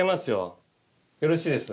よろしいですね？